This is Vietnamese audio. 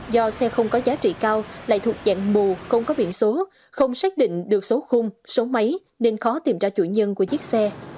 do xe không có giá trị cao lại thuộc dạng mù không có biển số không xác định được số khung số máy nên khó tìm ra chủ nhân của chiếc xe